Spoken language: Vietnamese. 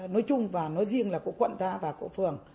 nói chung và nói riêng là của quận ta và của phường